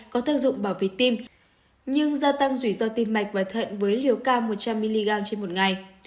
có tác dụng bảo vệ tim nhưng gia tăng rủi ro tim mạch và thận với liều cao một trăm linh mg trên một ngày